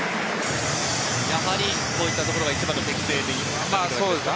やはりこういったところが一番の適性ですか？